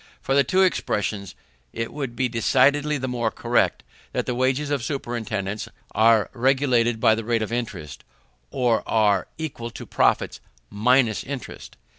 Of the two expressions, it would be decidedly the more correct, that the wages of superintendance are regulated by the rate of interest, or are equal to profits minus interest.